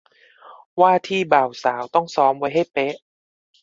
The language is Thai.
ว่าที่บ่าวสาวต้องซ้อมไว้ให้เป๊ะ